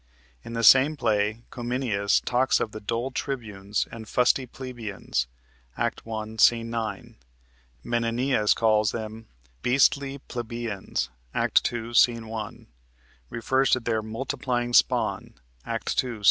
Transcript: In the same play Cominius talks of the "dull tribunes" and "fusty plebeians" (Act 1, Sc. 9). Menenius calls them "beastly plebeians" (Act 2, Sc. 1), refers to their "multiplying spawn" (Act 2, Sc.